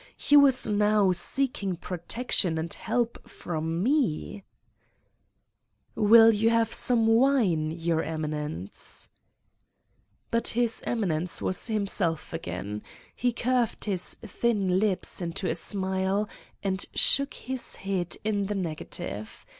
He was now seeking protection and help from Me !" Will you have some wine, Your Eminence 1" But His Eminence was himself again. He curved his thin lips into a smile and shook his head in the negative.